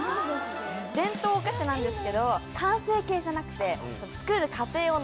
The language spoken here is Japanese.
伝統お菓子なんですけど完成形じゃなくて。